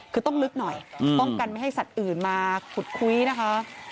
คือต้องลึกหน่อยป้องกันไม่ให้สัตว์อื่นมาขุดคุยนะคะ